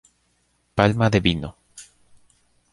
Palma de Vino.